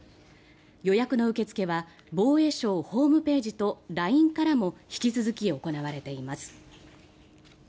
予約の受け付けは防衛省ホームページとＬＩＮＥからも引き続き行われています。